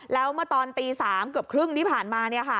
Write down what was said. แล้วเมื่อตอนตี๓เกือบครึ่งที่ผ่านมา